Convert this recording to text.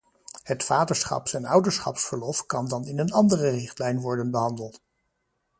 Het vaderschaps- en ouderschapsverlof kan dan in een andere richtlijn worden behandeld.